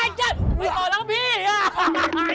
ไม่ต่อแล้วพี่